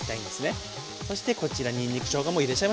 そしてこちらにんにく・しょうがも入れちゃいましょう。